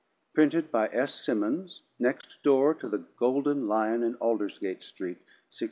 Printed by S. Simmons next door to the Golden Lion in Aldergate street, 1674.